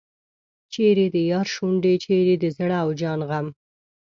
چیرې د یار شونډې چیرې د زړه او جان غم.